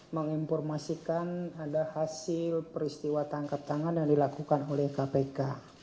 menginformasikan ada hasil peristiwa tangkap tangan yang dilakukan oleh kpk